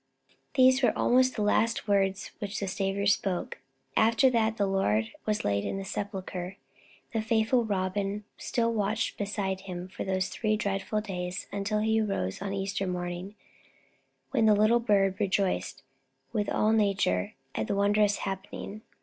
These were almost the last words which the Saviour spoke. After that, when the Lord was laid in the sepulchre, the faithful Robin still watched beside Him for those three dread days until He rose on Easter morning, when the little bird rejoiced with all nature at the wondrous happening.